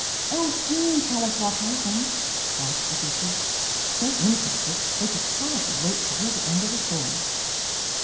"Oh, do tell us what happened!" asked the dishes, so interested they could hardly wait to hear the end of the story.